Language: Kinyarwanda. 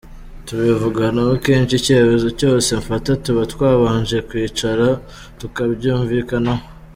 Tubivuganaho kenshi, icyemezo cyose mfata tuba twabanje kwicara tukabyimvikanaho.